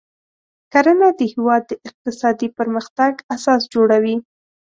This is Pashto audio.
کرنه د هیواد د اقتصادي پرمختګ اساس جوړوي.